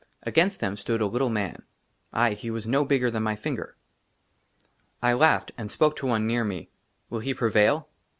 AGAINST THEM STOOD A LITTLE MAN ; AYE, HE WAS NO BIGGER THAN MY FINGER. I LAUGHED, AND SPOKE TO ONE NEAR ME, " WILL HE PREVAIL